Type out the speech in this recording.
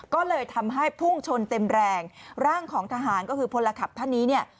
ก็เลยทำให้พุ่งชนเต็มแรงร่างของทหารก็คือพลขับท่านนี้เนี่ย